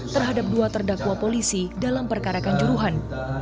terhadap dua terdakwa polisi dalam perkarakan juruhan